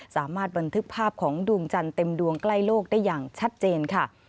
สามารถบันทึกภาพของดวงจันทร์เต็มดวงใกล้โลกได้อย่างชัดเจนค่ะ